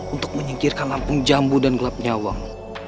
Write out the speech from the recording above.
untuk menyingkirkan lampung jambu dan gelap nyawang